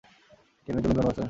জ্ঞানের জন্য ধন্যবাদ, স্যার।